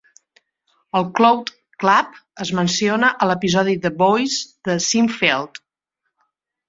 El Cloud Club es menciona a l'episodi "The Voice" de Seinfeld.